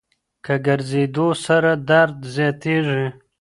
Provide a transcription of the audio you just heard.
له ګرځېدو سره درد زیاتیږي.